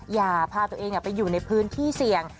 อย่าพาตัวเองไปอยู่ในพื้นที่เสี่ยง